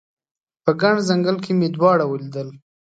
په ګڼ ځنګل کې مې دواړه ولیدل